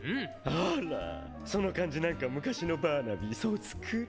あらその感じなんか昔のバーナビーそつくり。